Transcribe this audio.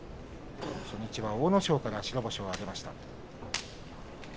初日は阿武咲から白星を挙げました。